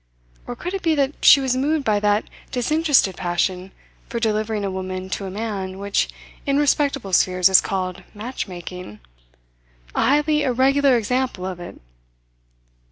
Or could it be that she was moved by that disinterested passion for delivering a woman to a man which in respectable spheres is called matchmaking? a highly irregular example of it!